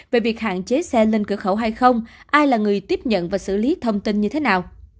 về việc hạn chế xe lên cửa khẩu hay không ai là người tiếp nhận và xử lý thông tin như thế nào